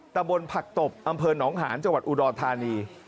ตะบนผักตบอำเภอหนองหาญจังหวัดอุดรธานี